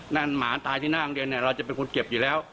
หมาตายที่หน้าโรงเรียนเนี่ยเราจะเป็นคนเก็บอยู่แล้ว